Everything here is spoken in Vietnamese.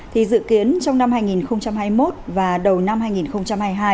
thì dự kiến trong năm hai nghìn hai mươi một và đầu năm hai nghìn hai mươi hai